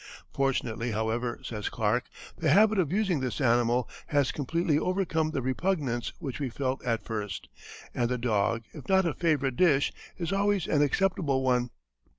"Fortunately, however," says Clark, "the habit of using this animal has completely overcome the repugnance which we felt at first, and the dog, if not a favorite dish, is always an acceptable one."